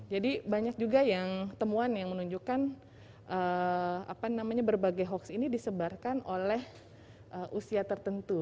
jadi banyak juga yang temuan yang menunjukkan berbagai hoax ini disebarkan oleh usia tertentu